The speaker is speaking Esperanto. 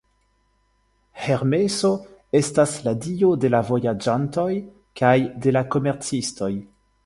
Hermeso estas la dio de la vojaĝantoj kaj de la komercistoj.